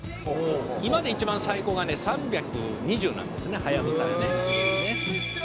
「今で一番最高がね３２０なんですねはやぶさでね」